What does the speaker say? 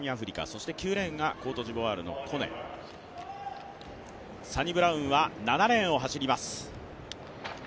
そして９レーンがコートジボワールの選手、サニブラウンは７レーンを走ります。